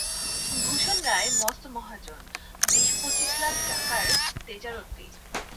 ভূষণ রায় মস্ত মহাজন, বিশ-পঁচিশ লাখ টাকার তেজারতি।